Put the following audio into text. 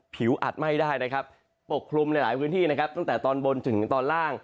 อัดไหม้ได้นะครับปกคลุมในหลายพื้นที่นะครับตั้งแต่ตอนบนถึงตอนล่าง